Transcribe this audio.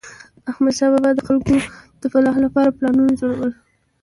احمدشاه بابا به د خلکو د فلاح لپاره پلانونه جوړول.